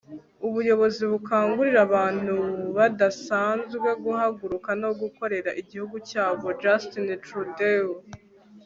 ubuyobozi bukangurira abantu badasanzwe guhaguruka no gukorera igihugu cyabo. - justin trudeau